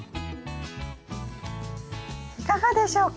いかがでしょうか？